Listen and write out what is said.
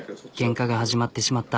けんかが始まってしまった。